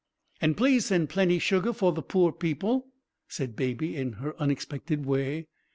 "And please send plenty sugar for the poor people," said Baby, in her unexpected way.